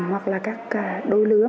hoặc là các đôi lứa